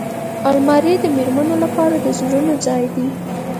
الماري د مېرمنو لپاره د زرونو ځای دی